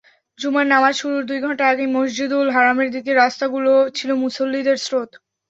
জুমার নামাজ শুরুর দুই ঘণ্টা আগেই মসজিদুল হারামের দিকের রাস্তাগুলোতে ছিল মুসল্লিদের স্রোত।